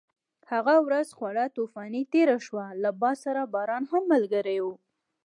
هغه ورځ خورا طوفاني تېره شوه، له باد سره باران هم ملګری و.